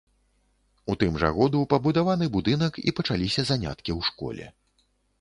У тым жа году пабудаваны будынак і пачаліся заняткі ў школе.